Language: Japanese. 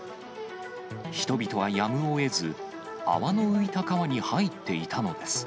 人々はやむをえず、泡の浮いた川に入っていたのです。